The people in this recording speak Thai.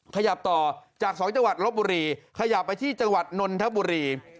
ขยับต่อจาก๒จังหวัดลบบุรีขยับไปที่จังหวัดนนทบุรี